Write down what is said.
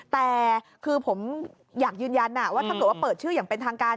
แต่คือผมอยากยืนยันว่าถ้าเกิดว่าเปิดชื่ออย่างเป็นทางการ